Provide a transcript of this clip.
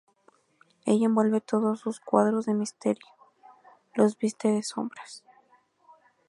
Ella envuelve todos sus cuadros de misterio, los viste de sombras.